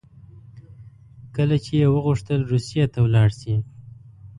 کله چې یې وغوښتل روسیې ته ولاړ شي.